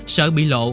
sợ bị lộ